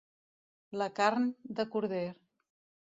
La carn, de corder.